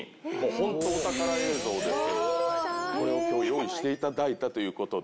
本当お宝映像ですけどもこれを今日用意していただいたという事で。